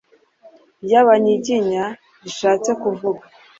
ryAbanyiginya rishatse kuvuga “